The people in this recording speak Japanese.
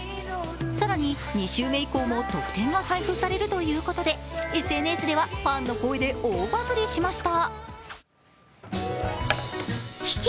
更に２週目以降も特典が配布されるということでＳＮＳではファンの声で大バズりしました。